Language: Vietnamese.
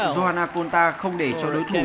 johanna conta không để cho đối thủ